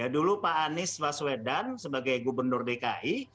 dulu pak anies baswedan sebagai gubernur dki